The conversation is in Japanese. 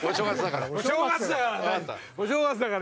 お正月だから。